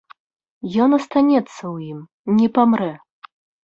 Ён астанецца ў ім, не памрэ.